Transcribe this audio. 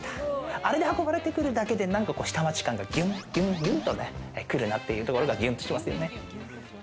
あれで運ばれてくるだけで、なんか下町感がギュンギュンとね、来るなっていうところがギュンとしますよね。